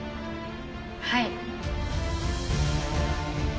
はい。